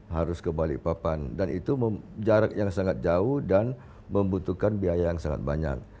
harus ke balikpapan dan itu jarak yang sangat jauh dan membutuhkan biaya yang sangat banyak